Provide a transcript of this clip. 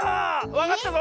わかったぞ！